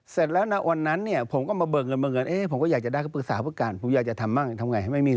เสร็จแล้วนะวันนั้นเนี่ยผมก็มาเบิกเงินเบิกเงิน